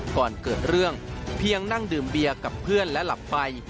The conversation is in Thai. ก่อนเกิดเรื่องเพียงนั่งดื่มเบียร์กับเพื่อนและหลับไป